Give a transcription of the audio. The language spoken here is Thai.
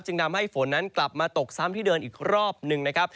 ทำให้ฝนนั้นกลับมาตกซ้ำที่เดินอีกรอบหนึ่งนะครับ